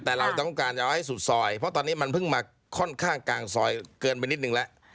แต่เราต้องการจะเอาให้สุดซอยเพราะตอนนี้มันเพิ่งมาค่อนข้างกลางซอยเกินไปนิดนึงแล้ว